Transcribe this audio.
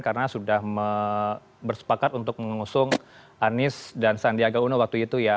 karena sudah bersepakat untuk mengusung anies dan sandiaga uno waktu itu ya